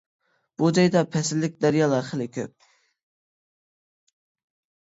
بۇ جايدا پەسىللىك دەريالار خېلى كۆپ.